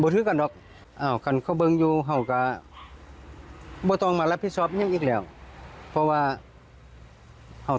และทีมันจะเห็นโคอพีซโบราณดูก็ไม่ได้